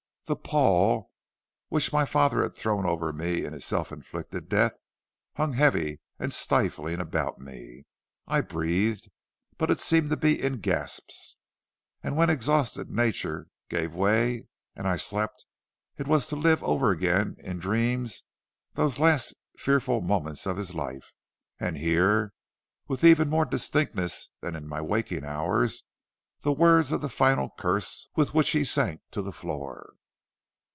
The pall which my father had thrown over me in his self inflicted death, hung heavy and stifling about me. I breathed, but it seemed to be in gasps, and when exhausted nature gave way and I slept, it was to live over again in dreams those last fearful moments of his life, and hear, with even more distinctness than in my waking hours, the words of the final curse with which he sank to the floor.